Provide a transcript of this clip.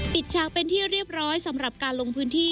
ฉากเป็นที่เรียบร้อยสำหรับการลงพื้นที่